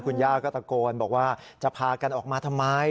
คุณย่าก็ตะโกนบอกว่าจะพากันออกมาทำไม